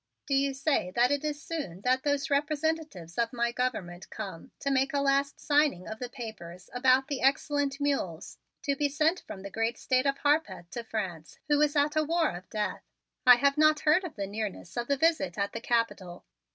"Do you say that it is soon that those representatives of my government come to make a last signing of the papers about the excellent mules to be sent from the great State of Harpeth to France who is at a war of death? I had not heard of the nearness of the visit at the Capitol."